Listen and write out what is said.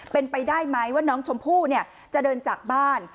เป็นไปได้ไหมว่าน้องชมพู่จะเดินจากบ้าน